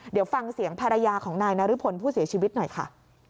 เดี๋ยวฟังเสียงภรรยาของนายนรพลผู้เสียชีวิตหน่อยค่ะ